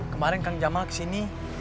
kemarin kang jamal kesini